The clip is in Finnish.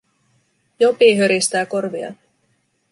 Jopi höristää korviaan.